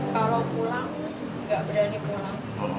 kalau pulang nggak berani pulang